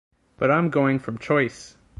But I'm going from choice!